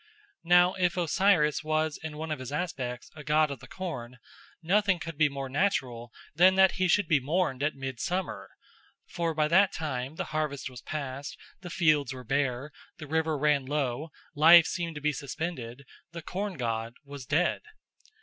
Now if Osiris was in one of his aspects a god of the corn, nothing could be more natural than that he should be mourned at midsummer. For by that time the harvest was past, the fields were bare, the river ran low, life seemed to be suspended, the corn god was dead.